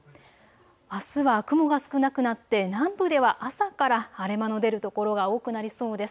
あすは雲が少なくなって南部では朝から晴れ間の出る所が多くなりそうです。